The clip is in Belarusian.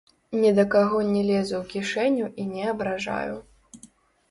Ні да каго не лезу ў кішэню і не абражаю.